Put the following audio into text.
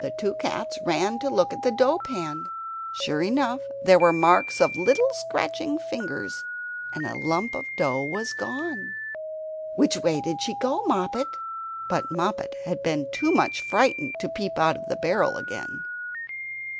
The two cats ran to look at the dough pan. Sure enough there were marks of little scratching fingers, and a lump of dough was gone! "Which way did she go, Moppet?" But Moppet had been too much frightened to peep out of the barrel again.